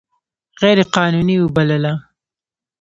غیر قانوني وبلله.